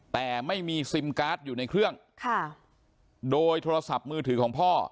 แต่ไม่มีซิมการ์ดอยู่ในเครื่องค่ะโดยโทรศัพท์มือถือของพ่อ